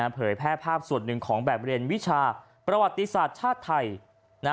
เผยแพร่ภาพส่วนหนึ่งของแบบเรียนวิชาประวัติศาสตร์ชาติไทย